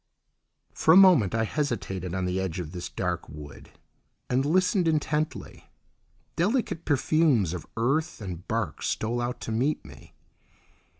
For a moment I hesitated on the edge of this dark wood, and listened intently. Delicate perfumes of earth and bark stole out to meet me.